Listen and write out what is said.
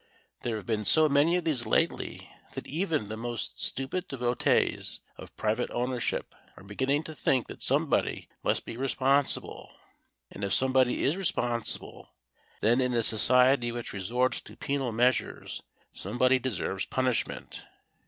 There have been so many of these lately that even the most stupid devotees of private ownership are beginning to think that somebody must be responsible; and if somebody is responsible, then in a society which resorts to penal measures somebody deserves punishment.